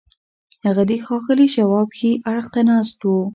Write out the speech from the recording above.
هغه د ښاغلي شواب ښي اړخ ته ناست و